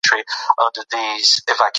ماشومان د ټولنې راتلونکي جوړوونکي دي.